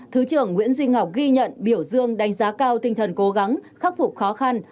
thứ trưởng nguyễn duy ngọc ghi nhận biểu dương đánh giá cao tinh thần cố gắng khắc phục khó khăn